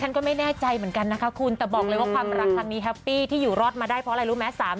ฉันก็ไม่แน่ใจเหมือนกันนะคะคุณแต่บอกเลยว่าความรักครั้งนี้แฮปปี้ที่อยู่รอดมาได้เพราะอะไรรู้ไหม